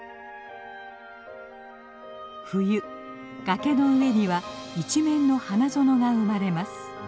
冬崖の上には一面の花園が生まれます。